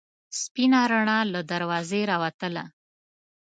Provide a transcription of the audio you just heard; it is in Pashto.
سپینه رڼا له دروازې راوتله.